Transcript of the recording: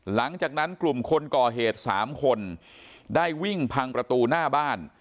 หลังจากนั้นกลุ่มคนก่อเหตุ๓คนได้วิ่งพังประตูหน้าบ้าน